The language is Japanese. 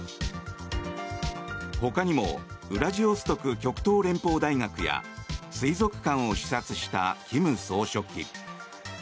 ほかにもウラジオストク極東連邦大学や水族館を視察した金総書記。